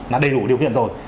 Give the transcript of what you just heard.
là đầy đủ điều kiện rồi